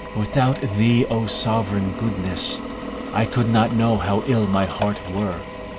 Without thee, O sovereign Goodness, I could not know how ill my heart were.